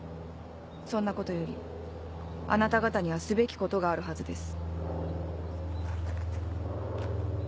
そんなことよりあなた方にはすべきことがあるはずです。